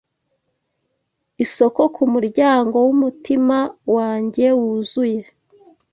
Isoko ku muryango wumutima wanjye wuzuye